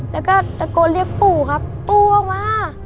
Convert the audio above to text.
แล้วก็ตะโกนเรียกปู่ครับปู่ออกมา